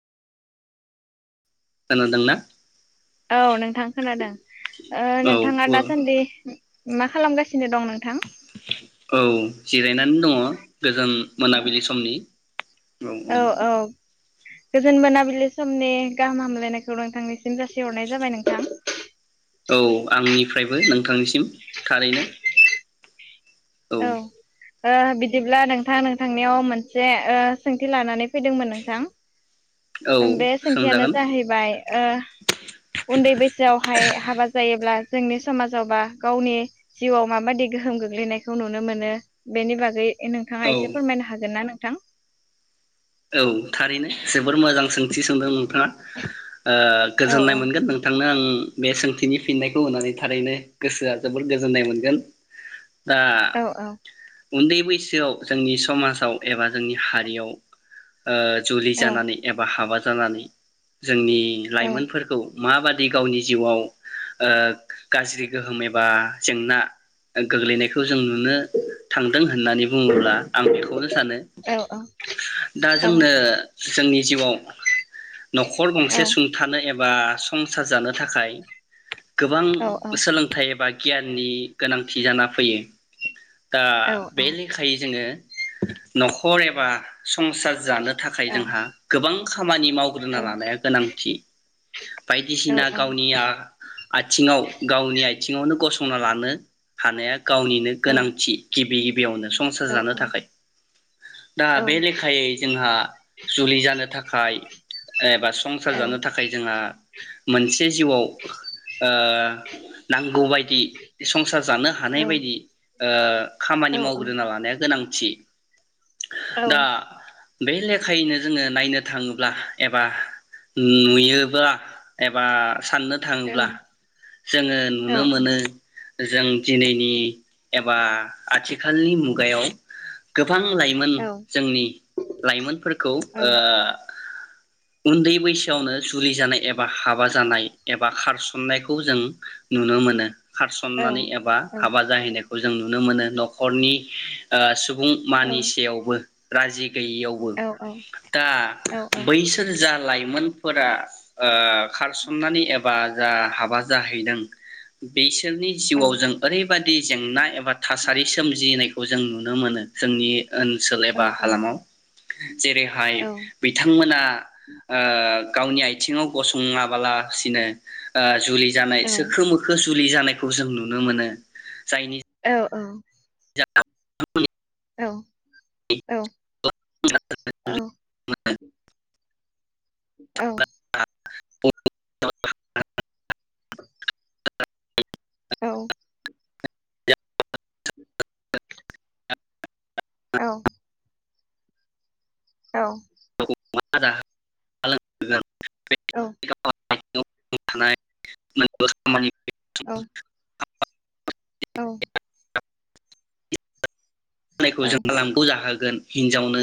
खोनादोंना औ नोंथां खोनादों। औ नोंथाङा दासान्दि मा खालामगासिनो दं नोंथां औ जिरायनानै दङ गोजोन मोनाबिलि समनि औ औ गोजोन मोनाबिलि समनि गाहाम हामलायनायखौ नोंथांनिसिम जासिहरनाय जाबाय नोंथां। औ आंनि फ्रायबो नोंथांनिसिम थारैनो औ ओ बि दिब्ला नोंथां नोंथांनियाव मोनसे ओ सोंथि लानानै फैदोंमोन नोंथां औ बे सोंथियानो सोंजागोन जाहैबाय ओ उन्दै बैसोआवहाय हाबा जायोब्ला जोंनि समाजावबा गावनि जिउआव माबादि गोहोम गोग्लैनायखौ नुनो मोनो बेनि बागै नोंथाङा औ एसे फोरमायनो हागोन ना नों थां औ थारैनो जोबोर मोजां सोंथि सोंदों नोंथाङा। ओ औ गोजोननाय औ मोनगोन नोंथांनो आं बे सोंथिनि फिननायखौ होनानै थारैनो गोसोआ जोबोर गोजोननाय मोनगोन। दा औ उन्दै बैसोआव जोंनि समाजाव एबा जोंनि हारियाव ओ जुलि औ जानानै एबा हाबा जानानै जोंनि औ लाइमोनफोरखौ माबादि गावनि जिउआव ओ गाज्रि गोहोम एबा जेंना गोग्लैनायखौ जों नुनो थांदों होननानै बुङोब्ला आं बेखौनो सानो औ औ दा औ जोंनो जोंनि जिउआव न'खर गंसे सुंथानो एबा संसार जानो थाखाय गोबां सोलोंथाइ एबा गियाननि गोनांथि जाना फैयो दा बे लेखायै जोङो न'खर एबा संसार जानो थाखाय जोंहा गोबां खामानि मावग्रोना लानाया गोनांथि बायदिसिना गावनि आ-आथिंयाव गावनि आथिंयावनो गसं ना लानो हानाया गावनिनो गोनांथि गिबि गिबि बेयावनो संसार औ जानो थाखाय दा लेखायै जोंहा जुलि जानो थाखाय एबा संसार जानो थाखाय जोंहा मोनसे जिउआव ओ नांगौ बाय दि संसार जानो हानाय बायदि ओ खामानि मावग्रोना लानाया गोनां थि दा बे लेखायैनो जोङो नायनो थाङोब्ला एबा नुयोब्ला एबा साननो थाङोब्ला जोङो नुनो मोनो जों दिनैनि एबा आथिखालनि मुगायाव गो बां लाइमोन जोंनि लाइमोनफोरखौ औ उन्दै बैसोआवनो जुलि जानाय एबा हाबा जानाय एबा खारस'ननायखौ जों नुनो मोनो । खारस'ननानै एबा हाबा जाहैनायखौ जो जों नुनो मोनो न'खरनि ओ सुब बुं मानिसेयावबो राजि गैयैयावबो दा बैसोर जा लाइमोनफोरा ओ खारस'ननानै एबा जा हाबा जाहैदों बिसोरनि जिउआव जों ओरैबा दि जेंना एबा थासारि सोमजिनायखौ जों नुनो मोनो जोंनि ओनसो बा हालामाव जेरैहाय बिथांमोना ओ गावनि आइथिङाव गसंआबालासिनो ओ जुलि जानाय सोखो मोखो जुलि जानायखौ जों नुनो मोनो जायनि औ औ। जा औ औ औ। आ। औ। [unintelligible] औ। औ। औ। [unintelligible] [unintelligible] [unintelligible] थानाय नों बोस खामानि औ। औ नायखौ औ जोंहा लांगौ जाहो गोन हिनजावनो